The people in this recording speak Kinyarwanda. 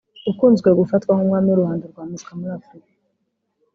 ukunze gufatwa nk’umwami w’uruhando rwa muzika muri Afurika